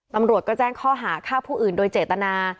ตำรวจก็แจ้งข้อหาฆ่าผู้อื่นโดยเจตนา